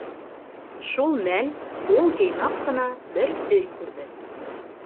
Шул мәл ул йыйнаҡ ҡына бер өй күрҙе.